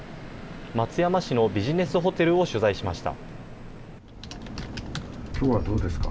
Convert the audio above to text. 松山市のビジネスホテルを取材しました。